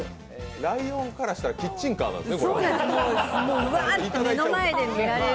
ライオンからしたら、キッチンカーなんですね、これね。